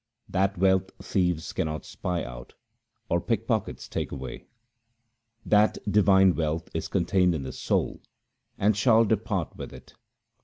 That wealth thieves cannot spy out, or pickpockets take away. That divine wealth is contained in the soul and shall depart with it.